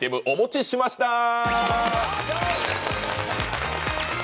お持ちしました！！』